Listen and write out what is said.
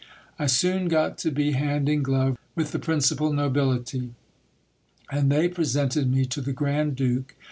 I soon got to be hand in glove with the principal nobility ; and they presented me to the grand duke.